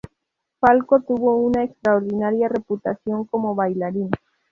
Falco tuvo una extraordinaria reputación como bailarín.